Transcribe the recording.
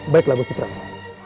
baiklah gusti prabu